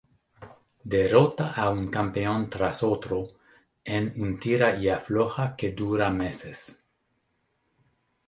Derrota a un campeón tras otro en un tira y afloja que dura meses.